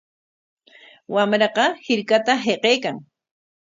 Wamraqa hirkata hiqaykan.